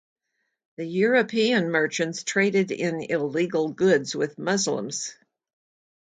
The European merchants traded in illegal goods with Muslims.